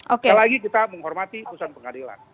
sekali lagi kita menghormati putusan pengadilan